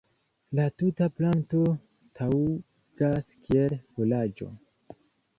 La tuta planto taŭgas kiel furaĝo.